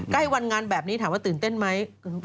ใกล้วันงานแบบนี้ถามว่าตื่นเต้นไหม